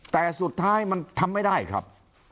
แต่สุดท้ายมันทำไม่ได้ครับ